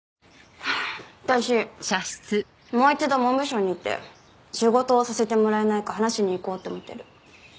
私もう一度文部省に行って仕事をさせてもらえないか話しに行こうと思ってる。